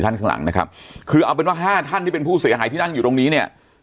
ข้างหลังนะครับคือเอาเป็นว่าห้าท่านที่เป็นผู้เสียหายที่นั่งอยู่ตรงนี้เนี่ย